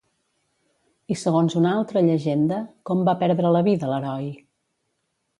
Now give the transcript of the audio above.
I segons una altra llegenda, com va perdre la vida l'heroi?